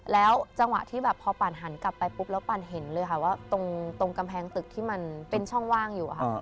แล้วจังหวะที่แบบพอปันหันกลับไปปุ๊บแล้วปันเห็นเลยค่ะว่าตรงกำแพงตึกที่มันเป็นช่องว่างอยู่ค่ะ